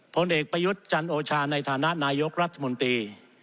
ผลเอกประยุทธ์จันโอชาในฐานะนายกรัฐมนตรี